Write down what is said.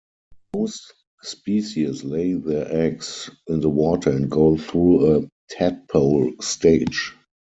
Most species lay their eggs in the water and go through a tadpole stage.